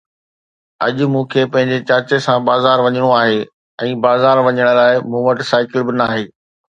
اڄ مون کي پنهنجي چاچي سان بازار وڃڻو آهي ۽ بازار وڃڻ لاءِ مون وٽ سائيڪل به ناهي.